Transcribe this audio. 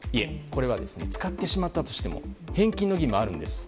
これは使ってしまったとしても返金の義務はあるんです。